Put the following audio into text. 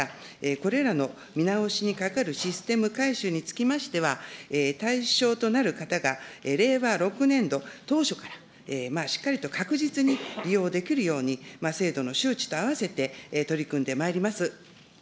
これらの見直しにかかるシステム改修につきましては、対象となる方が令和６年度当初から、しっかりと確実に利用できるように、制度の周知と合わせて取り組んでまいります。